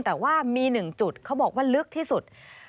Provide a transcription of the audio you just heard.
แต่ว่ามี๑จุดเขาบอกว่าลึกที่สุด